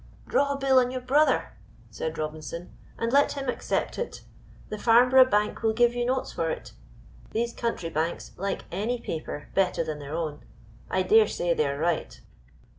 "Draw a bill on your brother," said Robinson, "and let him accept it. The Farnborough Bank will give you notes for it. These country banks like any paper better than their own. I dare say they are right."